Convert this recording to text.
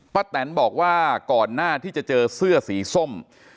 แตนบอกว่าก่อนหน้าที่จะเจอเสื้อสีส้ม